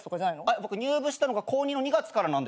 僕入部したのが高２の２月からなんですよ。